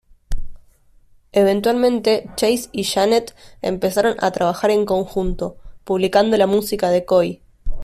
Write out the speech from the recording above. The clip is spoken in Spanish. Eventualmente, Chase y Jeanette empezaron a trabajar en conjunto, publicando la música de Coy.